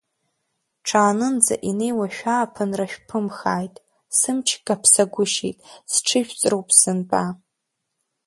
Ҽаанынӡа инеиуа шәааԥынра шәԥымхааит, сымч каԥсагәышьеит, сҽыжәҵроуп сынтәа…